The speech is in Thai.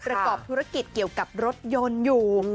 ประกอบธุรกิจเกี่ยวกับรถยนต์อยู่